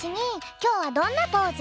きょうはどんなポーズ？